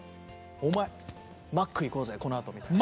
「お前マック行こうぜこのあと」みたいな。